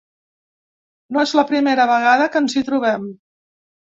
No és la primera vegada que ens hi trobem.